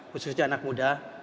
khususnya anak muda